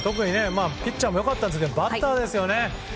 ピッチャーも良かったですがバッターですよね。